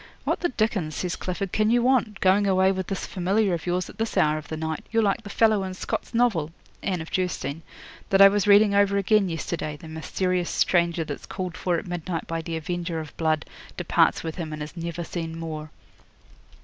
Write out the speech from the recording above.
'"What the dickens," says Clifford, "can you want, going away with this familiar of yours at this hour of the night? You're like the fellow in Scott's novel ['Anne of Geierstein') that I was reading over again yesterday the mysterious stranger that's called for at midnight by the Avenger of Blood, departs with him and is never seen more."